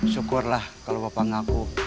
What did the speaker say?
syukurlah kalau bapak ngaku